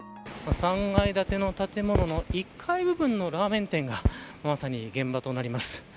３階建ての建物の１階部分のラーメン店がまさに現場となります。